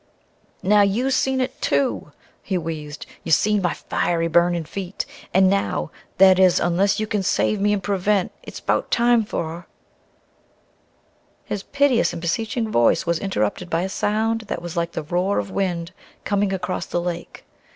"Now you seen it too," he wheezed, "you seen my fiery, burning feet! And now that is, unless you kin save me an' prevent it's 'bout time for " His piteous and beseeching voice was interrupted by a sound that was like the roar of wind coming across the lake.